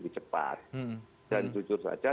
cepat dan jujur saja